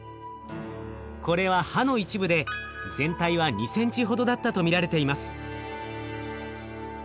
これは歯の一部で全体は２ｃｍほどだったと見られています。